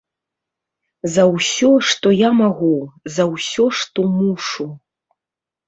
За ўсё, што я магу, за ўсё, што мушу.